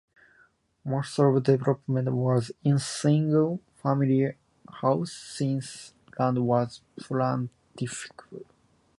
Most of the development was in single-family houses, since land was plentiful.